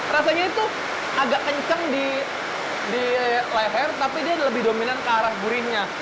rasanya itu agak kencang di leher tapi dia lebih dominan ke arah gurihnya